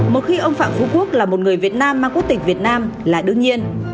một khi ông phạm phú quốc là một người việt nam mang quốc tịch việt nam là đương nhiên